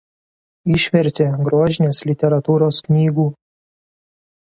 Išvertė grožinės literatūros knygų.